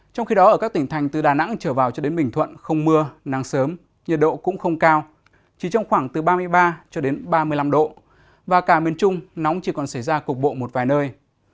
trong khi đó ở các tỉnh thành từ đà nẵng trở vào cho đến bình thuận không mưa nắng sớm nhiệt độ cũng không cao chỉ trong khoảng từ ba mươi ba ba mươi năm độ và cả miền trung nóng chỉ còn xảy ra cục bộ một vài nơi